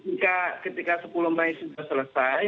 ketika sepuluh mei sudah selesai